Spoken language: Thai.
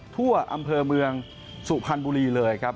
ทั่วอำเภอเมืองสุพรรณบุรีเลยครับ